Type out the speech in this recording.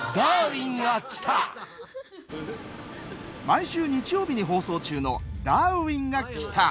毎週日曜日に放送中の「ダーウィンが来た！」。